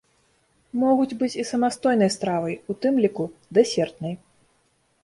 Могуць быць і самастойнай стравай, у тым ліку дэсертнай.